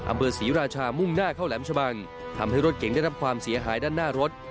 อำเภอศรีราชามุ่งหน้าเข้าแหลมชะบังทำให้รถเก่งได้รับความเสียหายด้านหน้ารถ